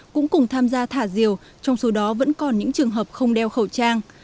cũng cùng tham gia thả diều trong số đó vẫn còn những trường hợp không đeo khẩu trang